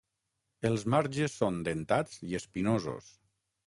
Els marges són dentats i espinosos.